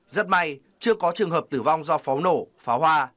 rất may chưa có trường hợp tử vong do pháo nổ pháo hoa